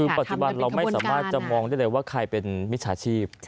คือปัจจุบันเราไม่สามารถจะมองได้เลยว่าใครเป็นมิจฉาชีพ